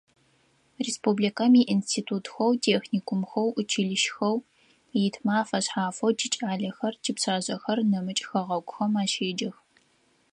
Республикэм институтхэу, техникумхэу, училищхэу итмэ афэшъхьафэу тикӏалэхэр, типшъашъэхэр нэмыкӏ хэгъэгухэм ащеджэх.